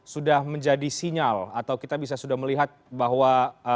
sudah menjadi sinyal atau kita bisa sudah melihat bahwa